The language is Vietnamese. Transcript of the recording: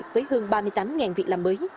với hơn ba mươi tám việc làm mới